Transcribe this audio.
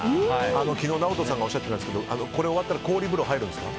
昨日ＮＡＯＴＯさんがおっしゃっていましたけどこれが終わったら氷風呂入るんですか？